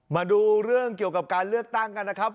มาดูเรื่องเกี่ยวกับการเลือกตั้งกันนะครับ